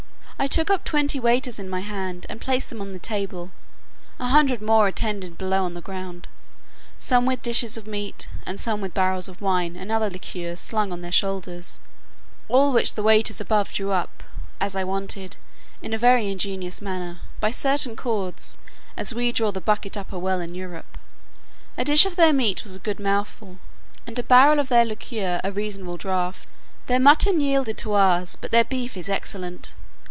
I took up twenty waiters in my hand, and placed them on the table: a hundred more attended below on the ground, some with dishes of meat, and some with barrels of wine and other liquors slung on their shoulders; all which the waiters above drew up, as I wanted, in a very ingenious manner, by certain cords, as we draw the bucket up a well in Europe. A dish of their meat was a good mouthful, and a barrel of their liquor a reasonable draught. Their mutton yields to ours, but their beef is excellent.